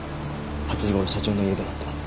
８時頃社長の家で待ってます。